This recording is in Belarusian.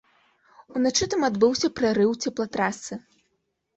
Уначы там адбыўся прарыў цеплатрасы.